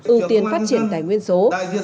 ưu tiên phát triển tài nguyên số